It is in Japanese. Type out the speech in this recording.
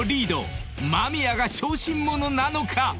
［間宮が小心者なのか⁉］